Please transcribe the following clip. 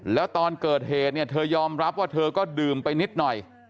แล้วตอนเกิดเหตุเนี่ยเธอยอมรับว่าเธอก็ดื่มไปนิดหน่อย